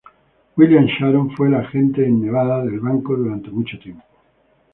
William Sharon fue el agente en Nevada del banco durante mucho tiempo.